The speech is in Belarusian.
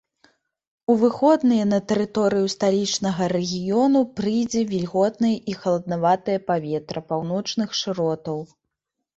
У выходныя на тэрыторыю сталічнага рэгіёну прыйдзе вільготнае і халаднаватае паветра паўночных шыротаў.